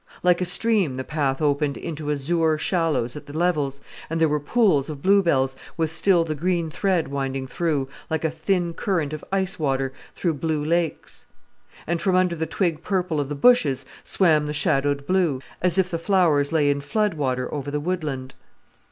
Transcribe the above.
Like a stream the path opened into azure shallows at the levels, and there were pools of bluebells, with still the green thread winding through, like a thin current of ice water through blue lakes. And from under the twig purple of the bushes swam the shadowed blue, as if the flowers lay in flood water over the woodland.